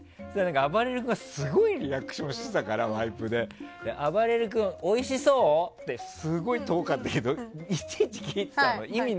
あばれる君がすごいリアクションをワイプでしてたからあばれる君、おいしそう？って遠かったけど聞いたの。